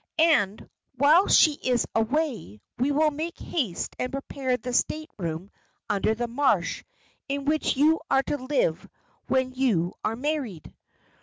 And, while she is away, we will make haste and prepare the state room under the marsh, in which you are to live when you are married."